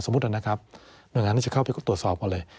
สมมุตินะครับหน่วยงานนี้จะเข้าไปตรวจสอบกันเลย